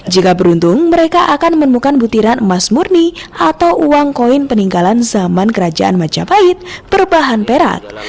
jika beruntung mereka akan menemukan butiran emas murni atau uang koin peninggalan zaman kerajaan majapahit berbahan perak